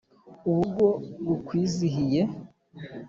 Urugo rukwizihiye